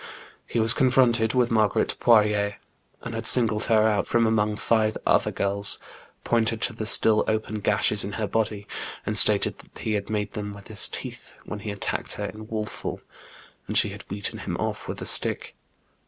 He was confronted with Marguerite Poirier, and he singled her out from among five other girls, pointed to the still open gashes in her body, and stated that he had made them with his teeth, when he attacked her in wolf form, and she had beaten him off with a stick.